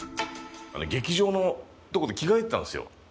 劇場のとこで着替えてたんですよ。